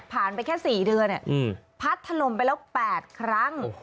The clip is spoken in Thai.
ผ่านไปแค่๔เดือนพัดทะลมไปแล้ว๘ครั้ง